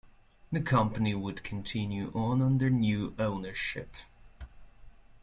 The company would continue on under new ownership.